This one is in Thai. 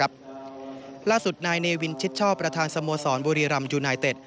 ล่าสุดนายเนวินชิดชอบประธานสโมสรบุรีรำยูไนเต็ด